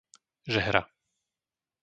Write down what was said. Žehra